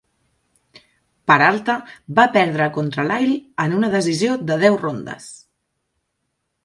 Peralta va perdre contra Lyle en una decisió de deu rondes.